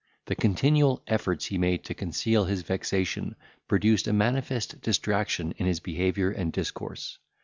The continual efforts he made to conceal his vexation produced a manifest distraction in his behaviour and discourse.